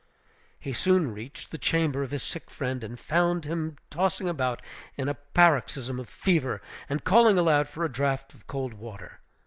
He soon reached the chamber of his sick friend, and found him tossing about in a paroxysm of fever, and calling aloud for a draught of cold water.